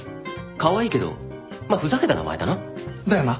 カワイイけどまっふざけた名前だな。だよな？